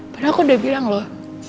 padahal aku udah bilang loh